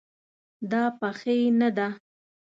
دا پخې نه ده